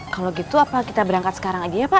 kalau gitu apa kita berangkat sekarang aja ya pak